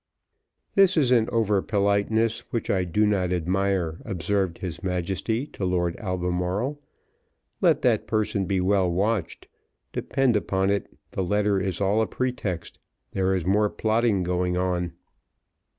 "This is an over politeness which I do not admire," observed his Majesty to Lord Albemarle. "Let that person be well watched, depend upon it the letter is all a pretext, there is more plotting going on."